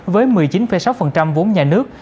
với một mươi chín sáu vốn nhà nước